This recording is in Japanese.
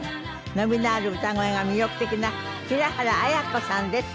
伸びのある歌声が魅力的な平原綾香さんです。